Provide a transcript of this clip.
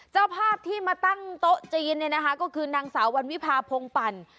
เจ้าภาพที่มาตั้งโต๊ะจีนเนี่ยนะคะก็คือนางสาววันวิพาพงปั่น